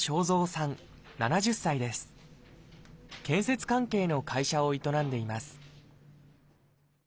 建設関係の会社を営んでいます